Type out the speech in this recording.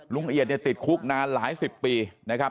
เอียดเนี่ยติดคุกนานหลายสิบปีนะครับ